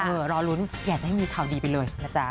รอลุ้นอยากจะให้มีข่าวดีไปเลยนะจ๊ะ